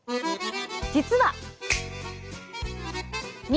実は。